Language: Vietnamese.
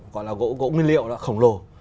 gọi là gỗ nguyên liệu khổng lồ